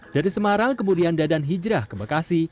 dari semarang kemudian dadan hijrah ke bekasi